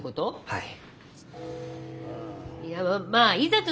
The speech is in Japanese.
はい！